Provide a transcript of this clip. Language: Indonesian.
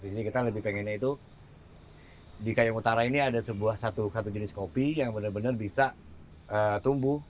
jadi kita lebih pengennya itu di kayong utara ini ada satu jenis kopi yang benar benar bisa tumbuh